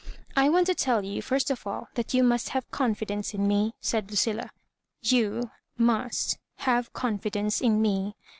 "I want to tell you, first of all, that you must have confidence in me," said Lucilla; "you — must — have confidence in me.